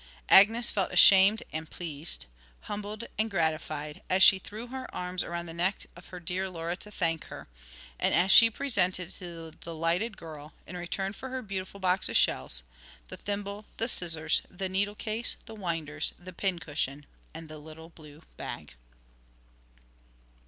Agnes felt ashamed and pleased, humbled and gratified, as she threw her arms round the neck of her dear Laura to thank her, and as she presented to the delighted girl, in return for her beautiful box of shells, the thimble, the scissors, the needle case, the winders, the pincushion, and the little blue bag.